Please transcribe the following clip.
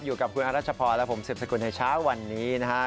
อยู่กับคุณอรัชพรและผมสืบสกุลในเช้าวันนี้นะฮะ